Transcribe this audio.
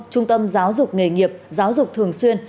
trung tâm giáo dục nghề nghiệp giáo dục thường xuyên